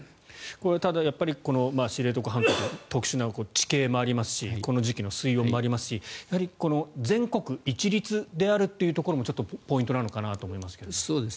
ただ、知床半島特殊な地形もありますしこの時期の水温もありますしやはり全国一律であるというところもちょっとポイントなのかなと思いますが。